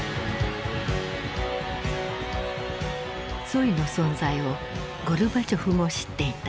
ツォイの存在をゴルバチョフも知っていた。